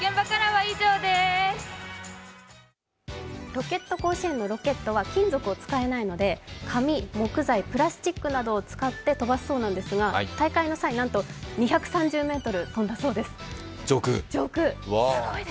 ロケット甲子園のロケットは金属を使えないので紙、木材、プラスチックなどを使って飛ばすそうなんですが、大会の際なんと２３０ｍ飛んだそうです、上空。